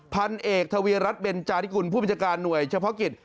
พันเอกทวีรัฐเบนจาธิกุลผู้บัญชาการหน่วยเฉพาะกิจ